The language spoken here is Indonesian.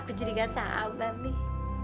aku jadi nggak sabar nih